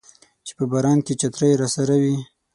چې په باران کې چترۍ راسره وي